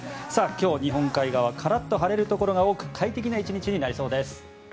今日、日本海側カラッと晴れるところが多く快適な１日になりそうです。